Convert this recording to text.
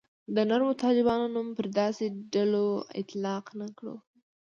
د نرمو طالبانو نوم پر داسې ډلو اطلاق نه کړو.